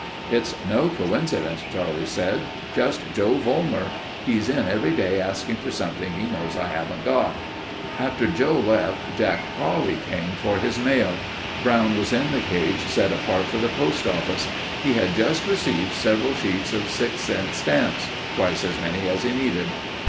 "It's no coincidence," Charlie said. "Just Joe Volmer. He's in every day asking for something he knows I haven't got." After Joe left, Jack Crowley came for his mail. Brown was in the cage set apart for the post office. He had just received several sheets of six cent stamps—twice as many as he needed.